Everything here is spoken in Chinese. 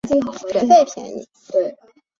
交址刺史和各个太守只能自守。